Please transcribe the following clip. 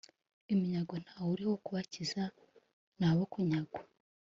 iminyago nta wuriho wo kubakiza ni abo kunyagwa